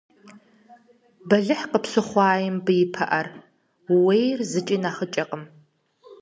Бэлыхь къыпщыхъуаи мыбы и пыӀэр – ууейр зыкӀи нэхъыкӀэкъым.